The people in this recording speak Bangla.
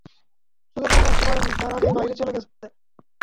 চোখে পানি আসতে পারে নি তার আগেই বাহিরে চলে গেছে।